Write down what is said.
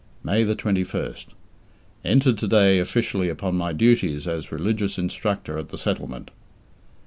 May 21st. Entered to day officially upon my duties as Religious Instructor at the Settlement.